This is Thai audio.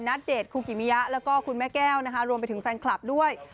ณเดชนคุกิมิยะแล้วก็คุณแม่แก้วนะคะรวมไปถึงแฟนคลับด้วย